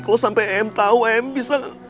kalau sampai em tahu em bisa